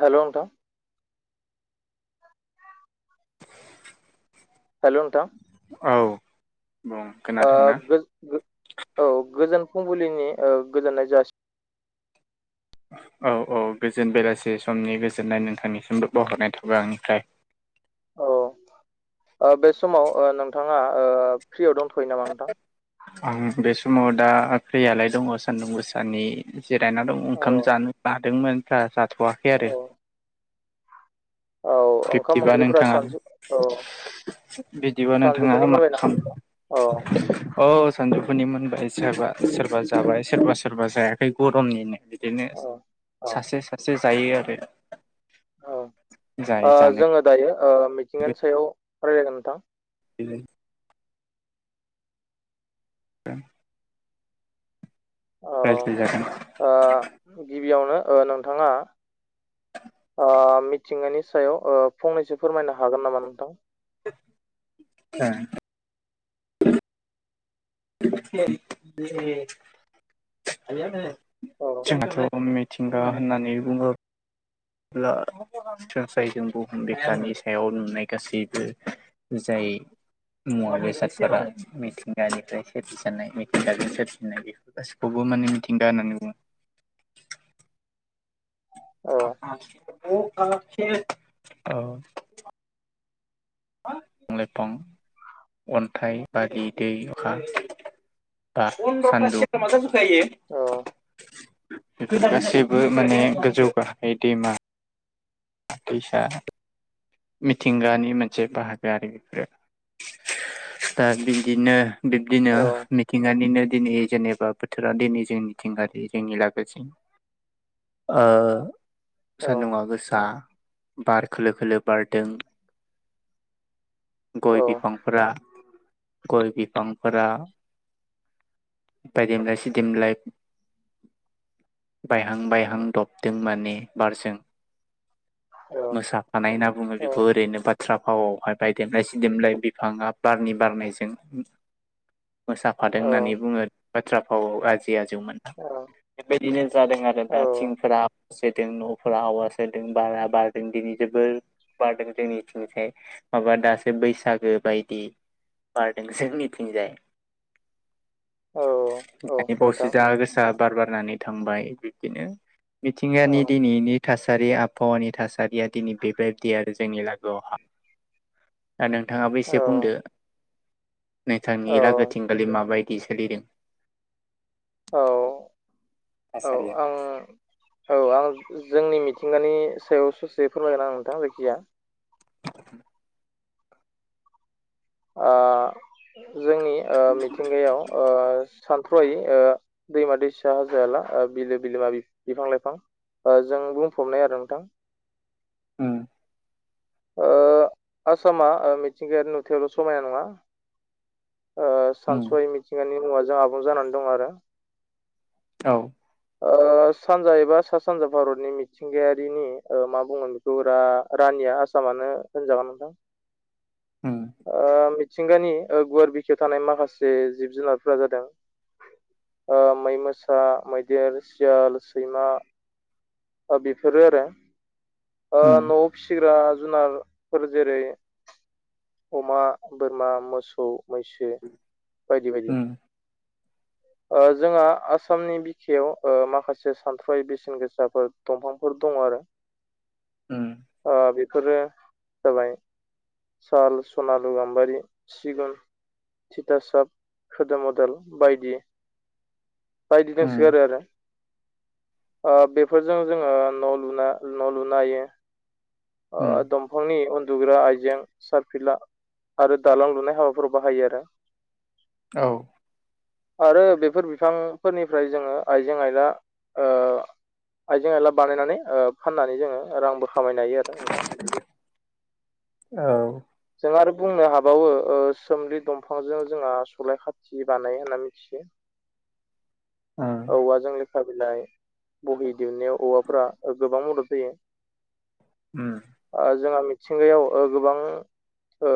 Hello नोंथां hello नोंथां औ बुं खोनादोंना [inaudible] औ गोजोन फुंबिलिनि ओ गोजोननाय जासि औ औ गोजोन बेलासे समनि गोजोननाय नोंथांनिसिमबो बावहरनाय थाबाय आंनिफ्राय अ ओ बे समाव ओ नोंथाङा ओ फ्रियाव दंथ'यो नामा नोंथां आं बे समाव दा फ्रियालाय दङ सान्दुं गोसानि जिरायना दं औ ओंखाम जानो लादोंमोन दा जाथ'वाखै औ आरो औ ओंखाम बिब्दिबा ओंख्रिफोरा नोंथाङा सानजु औ बिब्दिबा नोंथाङा सानजौफुनि मा मोनबाय नामा नोंथां? औ खालाम औ सानजु दुनि मोनबाय सोरबा सोरबा जाबाय सोरबा सोरबा जायाखै गरमनिनो। बिदिनो औ औ सासे सासे जायो आरो । औ ओ जोङो दायो ओ मिथिंगानि सायाव फरायगोन नोंथां। बिलो उम। औ रायज्लायजागोन। ओ गिबियावनो ओ नोंथाङा ओ मिथिंगानि सायाव ओ फंनैसो फोरमायनो हागोन नामा नोंथां? ए। औ [inaudible] मिथिंगा होननानै बुङो ब्ला सनस्रायजों बुहुम बिखानि सायाव नुनाय गासैबो जाय ए मुवा बेसादफोरा मिथिंगानिफ्राय सोरजिजानाय मिथिंगाजों सोरजिनाय बेफोर गासिखौबो मानि मिथिंगा होननानै बुङो। [inaudible] औ [inaudible] औ। लाइफां, अन्थाइ बारि, दै, अखा ओखा, सानदुं औ बेफोर गासैबो माने गोजौ गाहाय दैमा दैसा मिथिंगानि मोनसे बाहागो आरो बेफोरो। दा बिदिनो बिब्दिनो औ मिथिंगानिनो दिनै जेनेबा बोथोरा दिनै जोंनिथिंगारि जोंनि लागोथिं। ओ औ सान्दुङा गोसा, बार खोलो खोलो बारदों। औ गय बिफांफोरा गय बिफांफोरा बायदिमलाय सिदिमलाय बायहां बायहां दपदों माने। बारजों औ मोसाफानाय होनना बुङो औ बेखौ। ओरैनो बा थ्रा फावआवहाय बायदेमलाय सिदेमलाय बिफाङा बारनि बारनायजों मोसाफादों औ होननानै बुङो। बाथ्रा फावआव आ जै आजौमोना। बेबायदिनो जादों आरो औ दा थिंफोरा जादों न'फोरा हवा सोदों बारा बारदों दिनै जोबोर बारदों जोंनिथिंजाय माबा दासो बैसागो बायदि बारदों जोंनिथिंजाय। [inaudible] औ दानि बावैसो नोंथां जा गोसा बार बारनानै थांबाय बिब्दिनो औ मिथिंगानि दिनैनि थासारि आबहावानि थासारिया दिनै बेबाय दि आरो जोंनि लाोआवहा। दा नोंथाङाबो औ एसे बुंदो। औ नोंथांनि लागोथिंगालि माबायदि सोलिदों? औ थासारिया? आं औ आं जोंनि मिथिंगानि सायाव ससे फोरमायगोन आं नोंथां जायखिया। [inaudible] ओ जोंनि औ मिथिंगायाव ओ सा फ्रय ओ दैमा दैसा, हाजो हाला, ओ बिलो बिलोमा, बिफां लाइफां ओ जों बुंफबनाय आरो नोंथां। उम। ओ आसामा ओ मिथिंगायारि नुथायावल' समायना नङा। ओ उम सानस'हायि मिथिंगानि मुवाजों आबुं जानानै दं आरो। औ ओ सानजा एबा सा सानजा भारतनि मिथिंगायारिनि ओ मा बुंगोन बेखौ रा रानिया आसामा माने होनजागोन नोंथां उम ओ मिथिंगानि ओ गुवार बिखायाव थानाय माखासे जिब जुनारफोरा जादों ओ मै मोसा मै गिदिर सियाल सैमा बा बेफोरो आरो। ओ उम न'आव फिसिग्रा जुनारफोर जेरै अमा बोरमा मोसौ मैसो बायदि बायदि। उम ओ जोंहा आसामनि बिखायाव ओ माखासे सानथ्रुहायि बेसेन गोसाफोर दंफांफोर दं आरो उम ओ बेफोरो जाबाय साल सनालु गाम्बारि सिगुन थिथासप खोदोम अदाल बायदि बायदि उम दसोगारो आरो ओ बेफोरजों जोङो न' लुना न' लुनो हायो ओ उम दंफांनि अन लुग्रा आइजें सारफिला आरो दालां लुनाय हाबाफोर बाहायो आरो। औ आरो बेफोर बिफांफोरनिफ्राय जोङो आइजें आयला ओ आइजें आइला बानायनानै ओ फाननानै जोङो रांबो खामायनो हायो आरो नोंथां। औ नों आरो बुंनो हाबावो ओ सोमलि दंफांजों जोंहा सलाय खाथि बानाय होनना मिथियो। [inaudible] ओं औवाजों लेखा बिलाइ बहि दिहुननायाव औवाफोरा गोबां मदद जायो। उम दा जोंहा मिथिंगायाव ओ गोबां ओ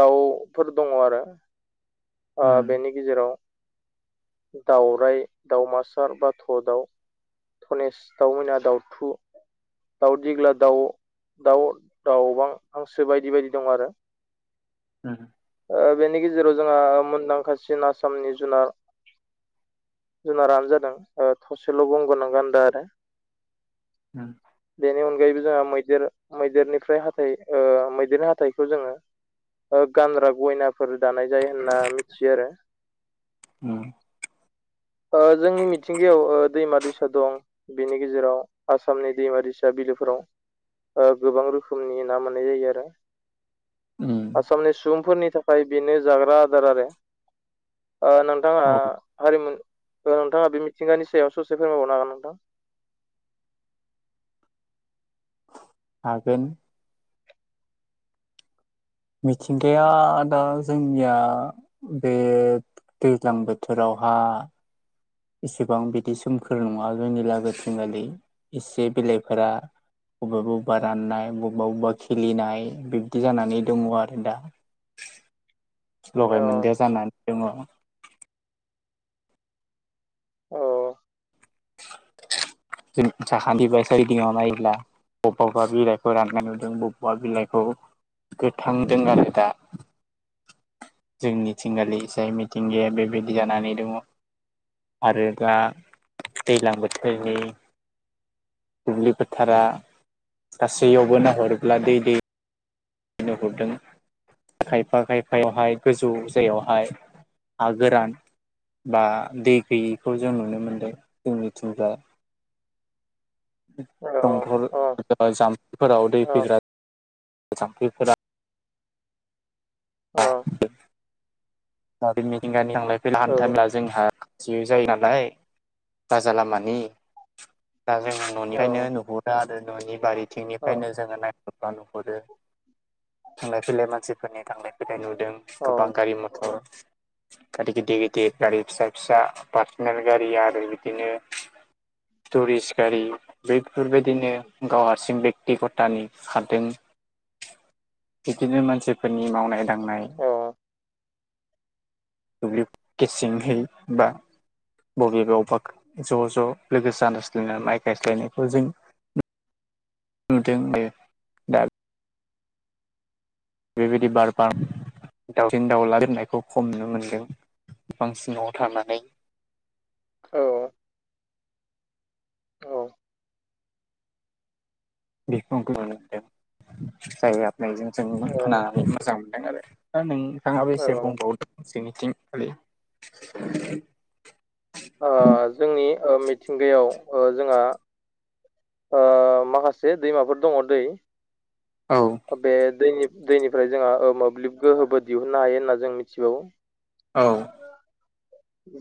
दाउफोर दङ आरो ओ उम बेनि गेजेराव दाउराय दाउमासार बाथ' दाउ धनेस दाउमैना दाउथु दावदिग्ला दाउ दाउ दाउबां हांसो बायदि बायदि दं आरो। [inaudible] ओ बेनि गेजेराव जोंहा मुंदांखासिन आसामनि जुनार जुनारानो जादों ओ थसेल' गंगोनां गान्दा आरो उम बेनि अनगायैबो जोंहा मै देर मैदेरनिफ्राय हाथाइओ मैदेरनि हाथाइखौ जोङो ओ गानग्रा गयनाफोर दानाय जायो होनना मिथियो आरो। उम ओ जोंनि मिथिंगायाव ओ दैमा दैसा दं बिनि गेजेराव आसामनि दैमा दैसा बिलोफोराव ओ गोबां रोखोमनि ना मोननाय जायो आरो। उम आसामनि सुबुंफोरनि थाखाय बेनो जाग्रा आदार आरो। ओ नोंथाङा औ हारिमु औ नोंथाङा बे मिथिंगानि सायाव ससे फोरमायबावनो हागोन नोंथां? हागोन मिथिंगाया दा जोंनिया बे दैज्लां बोथोराव बहा [unintelligible] इसेबां बिदि सोमखोर नङा जोंनि लागो थिंगालि एसे बिलाइफोरा बबेबा बबेबा राननाय बबेबा बबेबा खिलिनाय बिब्दि जानानै दङ आरो दा। [inaudible] लगाय मोनदेर जानानै दङ। औ [inaudible] [unintelligible] बबावबा बिलाइखौ राननाय नुदों बबावबा बिलाइखौ गोथां दों आरो दा। जोंनिथिंगालि जाय मिथिंगाया बेबायदि जानानै दङ। आरो दा दैज्लां बोथोरनि दुब्लि फोथारा गासैयावबो नाहरोब्ला दै दै नुहुरदों। खायफा खायफायावहाय गोजौ जायगायावहाय हा गोरान बा दै गैयैखौ जों नुनो मोनदों जोंनिथिंजाय। दंखल औ जाम्फैफोराव दै फैग्रा जाम्फैफोरा अ। मिथिंगानि थांलाय फैलाय औ हानथामेला जोंहा खाथि जायो नालाय राजा लामानि दा जोङो न'निफ्रायनो नुहुरो आरो न'नि औ बारिथिंनिफ्रायनो जोङो नाय [unintelligible] थांलाय फैलाय मानसिफोरनि थांलाय फैलाय नुदों औ गोबां गारि मथर। [inaudible] गारि गिदिर गिदिर गारि फिसा फिसा पार्सनेल गारि आरो बिदिनो टुरिस्ट गारि बैफोरबायदिनो गाव हारसिं बेक्तिगतानि खारदों। [inaudible] बिदिनो मानसिफोरनि मावनाय दांनाय दुब्लि गेसेंहै बा बबे बा अबाक ज' ज' लोगो जानस्लोना माइ गायस्लायनायफोरजों। नुदों दे दा बेबायदि बार बाफ दाावसिन दाउला बिरनायखौ खम नुनो मोनदों बांसिनाव थानानै। औ। औ। बेखौ आंखौ नुनो मोनदों जाय आबनायजों जों औ खोनानानै मोजां मोनदों आरो। दा नोंथाङाबो औ एसे औ बुंबावदो। जोंनिथिं खालि ओ जोंनि ओ मिथिंगायाव ओ जोंहा ओ माखासे दैमाफोर दङ दै औ बे दैनि दैनिफ्राय जोंहा मोब्लिब गोहोबो दिहुननो हायो होनना जों मिथिबावो। औ।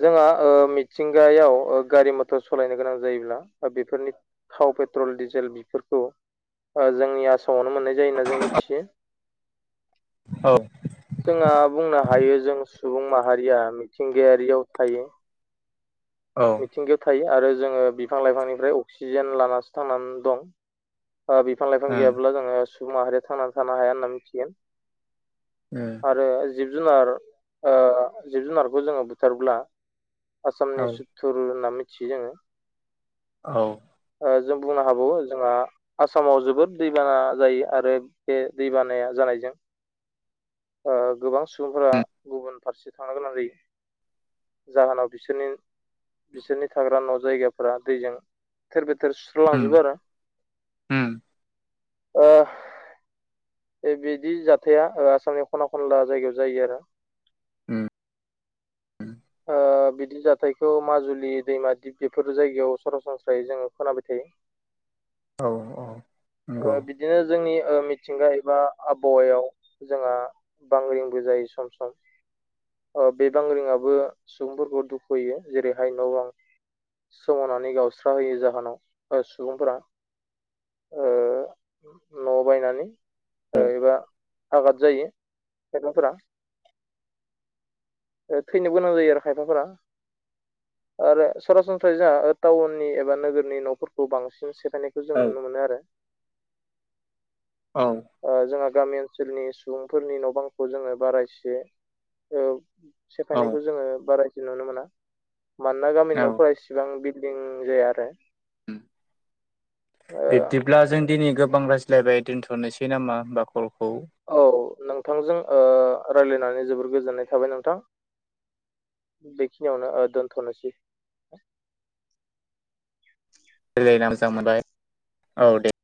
जोङो ओ मिथिंगायाव गारि मटर सालायनो गोनां जायोब्ला बेफोरनि थाव पेट्रल डिजेल बेफोरखौ ओ जोंनि आसामावनो मोनो। जायो होनना जों मिथियो। औ जोंहा बुंना हायो जों सुबुं माहारिया मिथिंगायारियाव थायो। औ मिथिंगायाव थायो आरो जोङो बिफां लाइफांनिफ्राय अक्सिजेन लानसो थांनान दं। ओ बिफां लाइफां उम गैयाब्ला जोङो सुबुं माहारिया थांनानै थानो हाया होनना मिथिगोन। उम आरो जिब जुनार ओ जिब जुनारखौ जोङो फुथारब्ला आसामनि औ सुथुर होनना मिथियो जोङो। औ। जों बुंनो हाबावो जोंहा आसामाव जोबोद दैबाना जायो आरो बे दैबानाया जानायजों ओ गोबां सुबुंफोरा उम गुबुन फारसे थांनो गोनां जायो। जाहोनाव बिसोरनि बिसोरनि थाग्रा न' जायगाफोरा दैजों थेर बे थेर सुस्र उम लांजोबो आरो [unintelligible] ओ बिदि जाथाया ओ आसामनि खना खनला जायगायाव जायो आरो उम उम ओ बिदि जाथायखौ माजुलि दैमा दिप बेफोर जायगायाव सरासनस्रायै जोंङो खोनाबाय थायो [inaudible] औ औ ओ नंगौ बिदिनो जोंनि ओ मिथिंगा एबा आबहावायाव जोंहा बांग्रिंबो जायो सम सम बे बांग्रिंआबो सुबुंफोरखौ दुखुयो जेरैहाय न बां सोमावनानै गावस्रा होयो जाहोनाव सुबुंफोरा ओ नआव बायनानै औ एबा आघाद जायो खायगाफोरा थैनो गोनां जायो आरो खायफाफोरा आरो सरासनस्रायै जोंहा टाउननि एबा नोगोरनि नफोरखौ बांसिन गायनायखौ जों औ नुनो मोनो आरो औ औ जोंहा गामि ओनसोल ओनसोलनि सुबुंफोरनि न' बांखौ जोंङो बारायस एसे सेफायनायखौ जोंङो बारायसिन नुनो मोना मानोना गामि न'फोरा इसेबां बि दिं जाया आरो [inaudible] उम ओ बिब्दिब्ला जों दिनै गो गोबां रायज्लायबाय दोनथनोसै नामा होमबा खल औ नोंथांजों ओ रायज्लायनानै जोबोर गोजोननाय थाबाय नोंथां बेखिनियावनो दोन्थनोसै रायलायना मोजां मोनबाय औ दे